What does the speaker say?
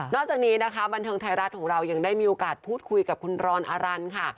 จากนี้นะคะบันเทิงไทยรัฐของเรายังได้มีโอกาสพูดคุยกับคุณรอนอรันค่ะ